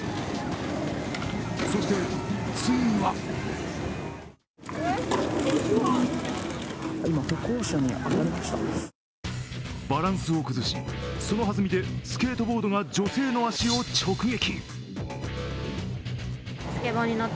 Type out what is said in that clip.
そして、ついにはバランスを崩し、その弾みでスケートボードが女性の足を直撃。